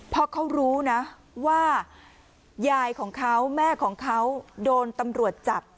เพราะเขารู้นะว่ายายของเขาแม่ของเขาโดนตำรวจจับ